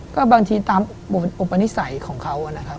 ก็บางทีตามอุปนิสัยของเขานะครับ